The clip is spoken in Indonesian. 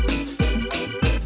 terima kasih bang